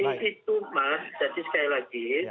jadi itu mas jadi sekali lagi